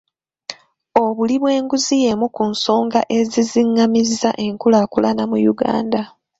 Obuli bw'enguzi y'emu ku nsonga ezizingamizza enkulaakulana mu Uganda.